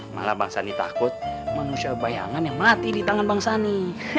malah bang sandi takut manusia bayangan yang mati di tangan bang sandi